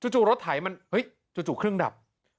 จู่รถไถมันเฮ้ยจู่เครื่องดับ